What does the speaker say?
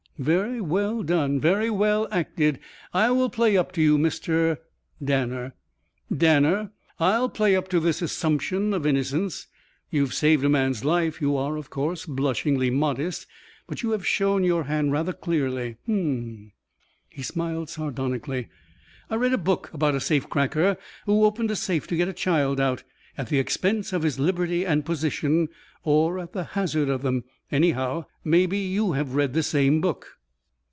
"Very well done. Very well acted. I will play up to you, Mr. " "Danner." "Danner. I'll play up to this assumption of innocence. You have saved a man's life. You are, of course, blushingly modest. But you have shown your hand rather clearly. Hmmm." He smiled sardonically. "I read a book about a safe cracker who opened a safe to get a child out at the expense of his liberty and position or at the hazard of them, anyhow. Maybe you have read the same book."